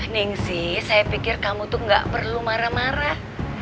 ningsi saya pikir kamu tuh gak perlu marah marah